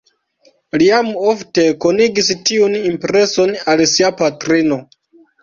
Li jam ofte konigis tiun impreson al sia patrino.